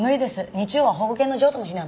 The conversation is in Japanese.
日曜は保護犬の譲渡の日なんで。